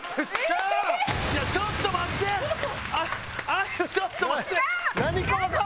あゆちょっと待って！